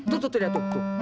tuh tuh tuh dia tuh